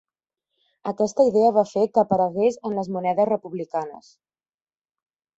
Aquesta idea va fer que aparegués en les monedes republicanes.